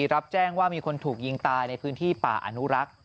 รับแจ้งว่ามีคนถูกยิงตายในพื้นที่ป่าอนุรักษ์